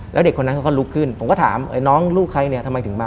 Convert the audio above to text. แล้วเด็กคนนั้นเขาก็ลุกขึ้นผมก็ถามไอ้น้องลูกใครเนี่ยทำไมถึงมา